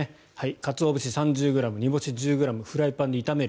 カツオ節３０ｇ、煮干し１０ｇフライパンで炒める。